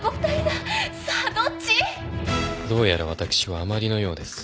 どうやら私は余りのようです。